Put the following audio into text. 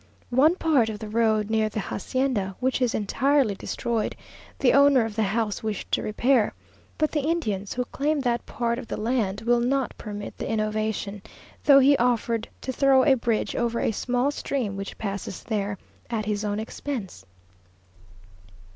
One part of the road near the hacienda, which is entirely destroyed, the owner of the house wished to repair; but the Indians, who claim that part of the land, will not permit the innovation, though he offered to throw a bridge over a small stream which passes there, at his own expense.